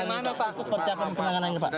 seperti apa pengalaman pak